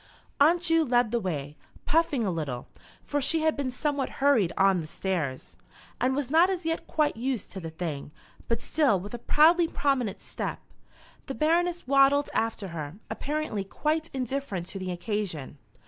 Aunt Ju led the way, puffing a little, for she had been somewhat hurried on the stairs, and was not as yet quite used to the thing, but still with a proudly prominent step. The Baroness waddled after her, apparently quite indifferent to the occasion.